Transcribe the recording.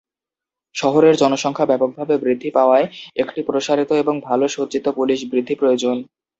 শহরের জনসংখ্যা ব্যাপকভাবে বৃদ্ধি পাওয়ায়, একটি প্রসারিত এবং ভাল সজ্জিত পুলিশ বৃদ্ধি প্রয়োজন।